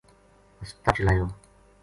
ہسپتال چلایو